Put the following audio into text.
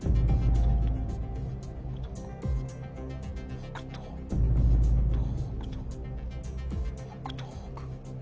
北東東北東北東北。